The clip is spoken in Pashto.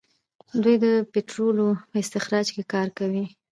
دوی د پټرولو په استخراج کې کار کوي.